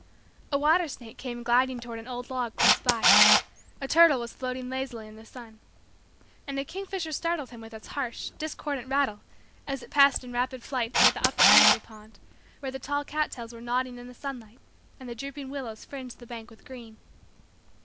A water snake came gliding toward an old log close by. A turtle was floating lazily in the sun. And a kingfisher startled him with its harsh, discordant, rattle as it passed in rapid flight toward the upper end of the pond where the tall cat tails were nodding in the sunlight and the drooping willows fringed the bank with green.